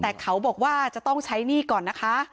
แต่เขาบอกว่าจะต้องใช้หนี้ก่อนนะคะ